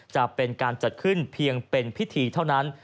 จะเป็นการจัดขึ้นเพียงเป็นพิธีเท่านั้น